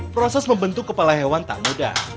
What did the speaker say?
proses membentuk kepala hewan tak mudah